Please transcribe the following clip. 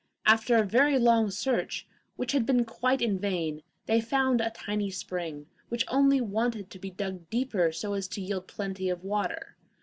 After a very long search, which had been quite in vain, they found a tiny spring, which only wanted to be dug deeper so as to yield plenty of water.